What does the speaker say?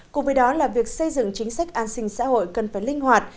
cùng với đó là việc xây dựng chính sách an sinh xã hội cần phải linh hoạt